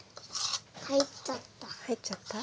入っちゃった。